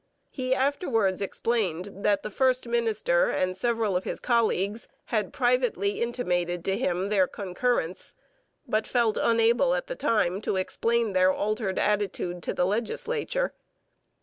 He afterwards explained that the first minister and several of his colleagues had privately intimated to him their concurrence, but felt unable at the time to explain their altered attitude to the legislature.